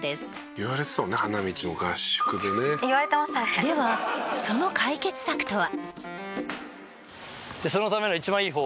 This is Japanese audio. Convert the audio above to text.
「言われてたもんね花道も合宿でね」ではその解決策とは？